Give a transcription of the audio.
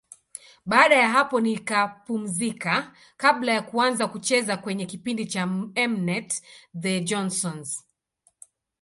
Baada ya hapo nikapumzika kabla ya kuanza kucheza kwenye kipindi cha M-net, The Johnsons.